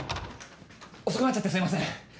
遅くなっちゃってすいません。